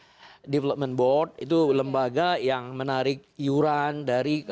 ini nah ini tadi ada yang dalam autonomen board itu lembaga yang menarik yuran dari